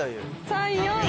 ３・４！